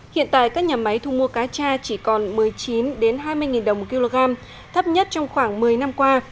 hiện tại các nhà máy thu mua cá cha chỉ còn một mươi chín hai mươi đồng một kg thấp nhất trong khoảng một mươi năm qua